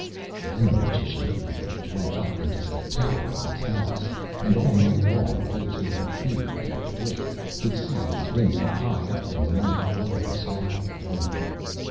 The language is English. Then the magician of the village went up into the tower of his house, and all night long those whom fear kept awake could see his window high up in the night glowing softly alone.